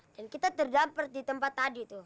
dan kita terdampar di tempat tadi itu